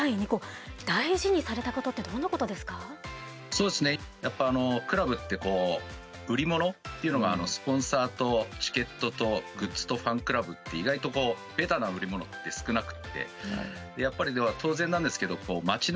そうですねやっぱあのクラブって売り物っていうのがスポンサーとチケットとグッズとファンクラブって意外とこうベタな売り物って少なくって。